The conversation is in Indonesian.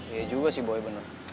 iya juga sih boy